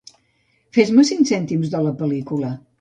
Fes-me cinc cèntims de la pel·lícula.